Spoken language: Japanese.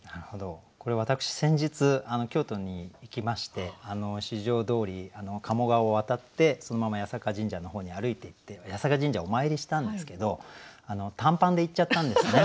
これ私先日京都に行きまして四条通鴨川を渡ってそのまま八坂神社の方に歩いていって八坂神社お参りしたんですけど短パンで行っちゃったんですね。